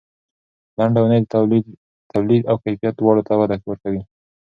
لنډه اونۍ د تولید او کیفیت دواړو ته وده ورکوي.